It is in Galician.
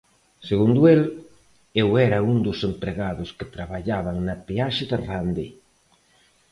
Segundo el, eu era un dos empregados que traballaban na peaxe de Rande.